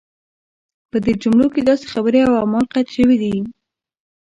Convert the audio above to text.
په دې جملو کې داسې خبرې او اعمال قید شوي.